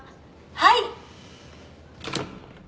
はい。